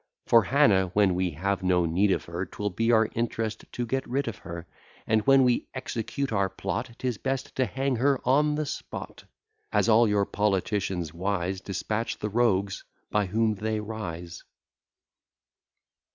For Hannah, when we have no need of her, 'Twill be our interest to get rid of her; And when we execute our plot, 'Tis best to hang her on the spot; As all your politicians wise, Dispatch the rogues by whom they rise.